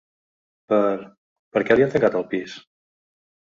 Per, per què li han tancat el pis?